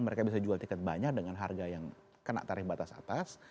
mereka bisa jual tiket banyak dengan harga yang kena tarif batas atas